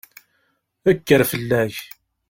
Kker fall-ak!